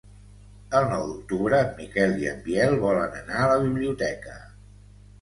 El nou d'octubre en Miquel i en Biel volen anar a la biblioteca.